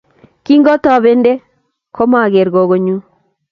Kingotobende komaker gogonyu